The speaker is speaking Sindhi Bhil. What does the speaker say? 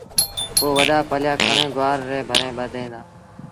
پو وڏآ پليآ کڻي گُوآر ريٚݩ ڀريٚݩ ٻڌيٚن دآ۔